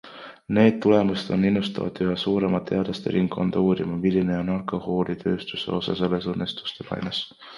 Need tulemused on innustanud üha suuremat teadlaste ringkonda uurima, milline on alkoholitööstuse osa selles õnnetuste laines.